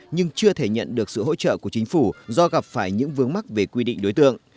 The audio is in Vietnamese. nhưng chưa thể nhận được sự hỗ trợ của chính phủ do gặp phải những vướng mắc về quy định đối tượng